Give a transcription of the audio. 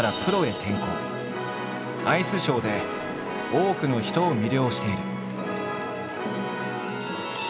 アイスショーで多くの人を魅了している。